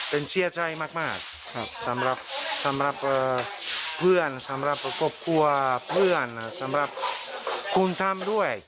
เป็นเสียใจมากสำหรับเพื่อนสำหรับครบครัวเพื่อนสำรับคุณทำด้วย